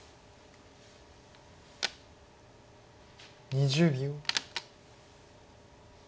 ２０秒。